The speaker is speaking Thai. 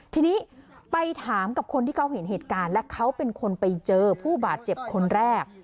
ทีนี้ไปถามกับคนที่เขาเห็นเหตุการณ์และเขาเป็นคนไปเจอผู้บาดเจ็บคนแรก